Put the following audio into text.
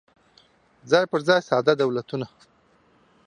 څای پر ځای ساده دولتونه